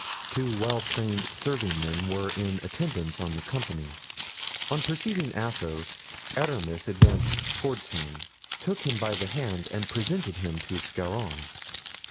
Two well trained servingmen were in attendance on the company. On perceiving Athos, Aramis advanced toward him, took him by the hand and presented him to Scarron.